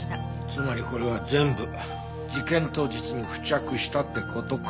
つまりこれは全部事件当日に付着したって事か。